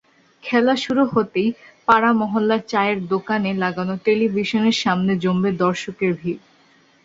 খেলা শুরু হতেই পাড়া-মহল্লার চায়ের দোকানে লাগানো টেলিভিশনের সামনে জমবে দর্শকের ভিড়।